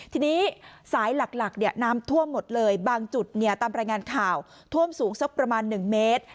ทีนี้สายหลักน้ำท่วมหมดเลยบางจุดตามรายงานข่าวท่วมสูงสักประมาณ๑เมตร